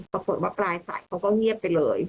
สมมุติว่าปลายใส่เขาก็เงียบไปเลย